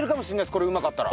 これうまかったら。